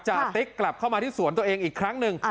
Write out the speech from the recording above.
ติ๊กกลับเข้ามาที่สวนตัวเองอีกครั้งหนึ่ง